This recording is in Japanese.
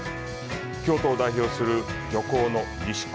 京都を代表する漁港の西港。